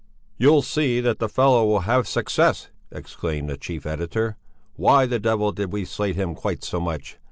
"You'll see that that fellow will have success!" exclaimed the chief editor. "Why the devil did we slate him quite so much!